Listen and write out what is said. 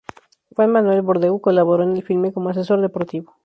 Juan Manuel Bordeu colaboró en el filme como asesor deportivo.